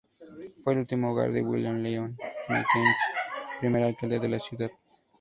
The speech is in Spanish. Fue el último hogar de William Lyon Mackenzie, primer alcalde de la ciudad.